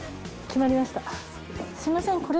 すいません。